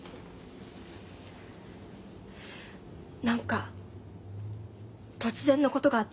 何か突然のことがあって。